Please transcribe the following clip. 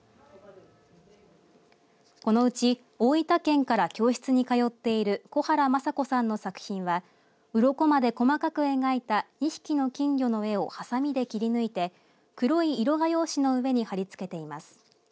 このうち大分県から教室に通っている小原政子さんの作品はうろこまで細かく描いた２匹の金魚の絵をはさみで切り抜いて黒い色画用紙の上に貼り付けています。